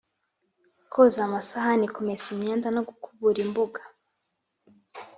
koza amasahani, kumesa imyenda no gukubura imbuga.